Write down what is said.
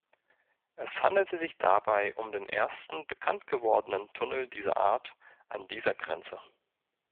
Es handelte sich dabei um den ersten bekanntgewordenen Tunnel dieser Art an dieser Grenze.